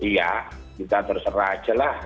iya kita terserah aja lah